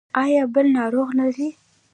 ایا بل ناروغ لرئ؟